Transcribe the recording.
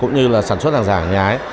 cũng như là sản xuất hàng giả hàng nhái